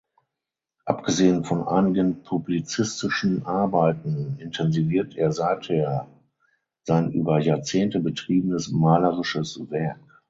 Abgesehen von einigen publizistischen Arbeiten intensiviert er seither sein über Jahrzehnte betriebenes malerisches Werk.